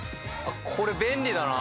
これ便利だな。